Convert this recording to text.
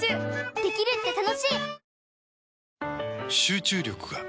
できるって楽しい！